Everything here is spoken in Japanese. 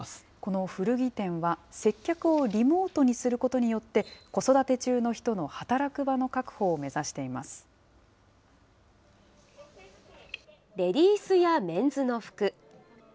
この古着店は、接客をリモートにすることによって、子育て中の人の働く場の確保を目指していレディースやメンズの服。